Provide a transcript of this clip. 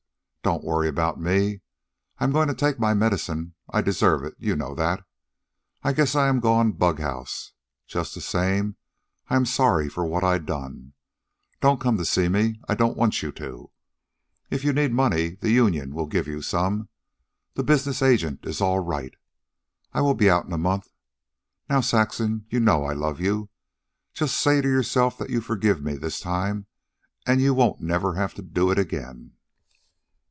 Don't worry about me. I am going to take my medicine. I deserve it you know that. I guess I am gone bughouse. Just the same, I am sorry for what I done. Don't come to see me. I don't want you to. If you need money, the union will give you some. The business agent is all right. I will be out in a month. Now, Saxon, you know I love you, and just say to yourself that you forgive me this time, and you won't never have to do it again.